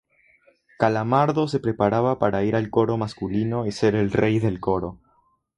Calamardo se preparaba para ir al coro masculino y ser el rey del coro.